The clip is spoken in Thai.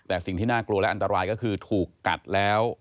แต่สิ่งที่น่ากลัวและอันตรายก็คือถูกกัดแล้ว